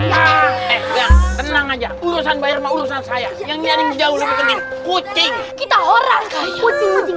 eh bang tenang aja urusan bayar sama urusan saya yang nyaring jauh lebih penting kucing